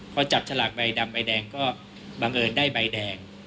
พอจับฉลากใบดำใบแดงก็บังเอิญได้ใบแดง